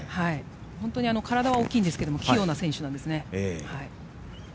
本当に体は大きいですが器用な選手なんですね。